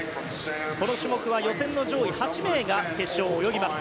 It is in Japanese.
この種目は予選の上位８名が決勝を泳ぎます。